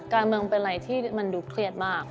การเมืองเป็นอะไรที่มันดูเครียดมาก